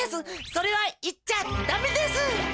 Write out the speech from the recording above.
それはいっちゃダメです！